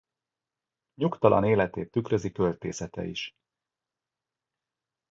Nyugtalan életét tükrözi költészete is.